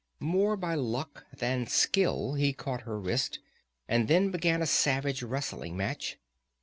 More by luck than skill he caught her wrist, and then began a savage wrestling match.